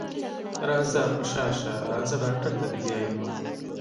راځه په شا شه راځه ډاکټر ته دې بيايمه.